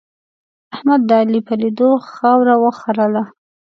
احمد د علي په لیدو خاوره وخرله.